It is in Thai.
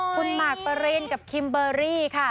คุณหมากปรินกับคิมเบอร์รี่ค่ะ